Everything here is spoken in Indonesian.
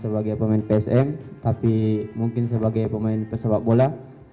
sebagai pemain psm tapi mungkin sebagai pemain pesepak bola